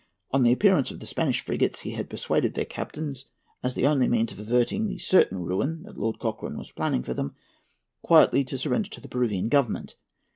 On the appearance of the Spanish frigates, he had persuaded their captains, as the only means of averting the certain ruin that Lord Cochrane was planning for them, quietly to surrender to the Peruvian Government.